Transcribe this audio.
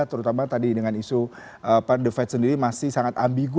terutama tadi dengan isu the fed sendiri masih sangat ambigu